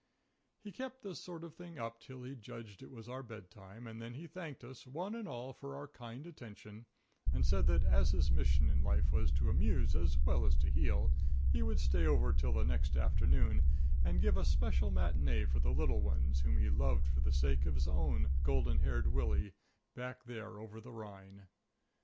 He kept this sort of thing up till he judged it was our bedtime, and then he thanked us "one and all for our kind attention," and said that as his mission in life was to amuse as well as to heal, he would stay over till the next afternoon and give a special matinée for the little ones, whom he loved for the sake of his own golden haired Willie, back there over the Rhine.